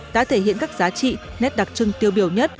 đã thể hiện các giá trị nét đặc trưng tiêu biểu nhất